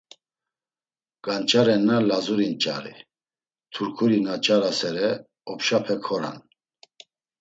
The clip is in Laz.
Ganç̌arenna Lazuri nç̌ari, Turkuri na nç̌arasere opşape koran.